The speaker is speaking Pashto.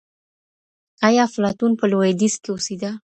ايا افلاطون په لوېديځ کي اوسېده؟